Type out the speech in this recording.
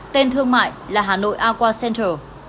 tên thương mại là hà nội aqua center